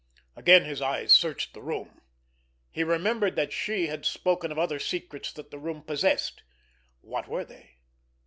Again his eyes searched the room. He remembered that she had spoken of other secrets that the room possessed. What were they?